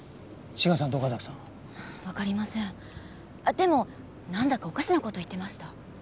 でもなんだかおかしな事言ってました。